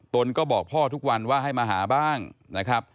ตนก็บอกพ่อทุกวันว่าให้มาหาบ้างนะครับ